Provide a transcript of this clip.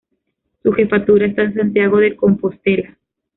Su Jefatura está en Santiago de Compostela.